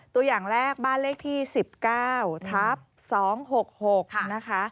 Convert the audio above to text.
ตัวอย่างแรกบ้านเลขที่๑๙ทับ๒๖๖นะคะ